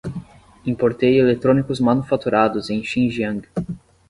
Importei eletrônicos manufaturados em Xinjiang